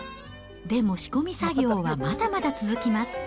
でも仕込み作業はまだまだ続きます。